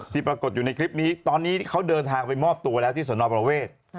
ปรากฏอยู่ในคลิปนี้ตอนนี้เขาเดินทางไปมอบตัวแล้วที่สนประเวท